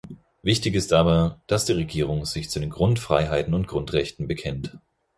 Wichtig ist aber, dass die Regierung sich zu den Grundfreiheiten und Grundrechten bekennt.